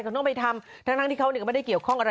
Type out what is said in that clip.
ต้องไปทำทั้งที่เขาเนี่ยไม่ได้เกี่ยวข้องอะไรเลย